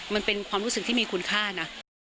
มันเป็นความรู้สึกที่มีคุณค่านะ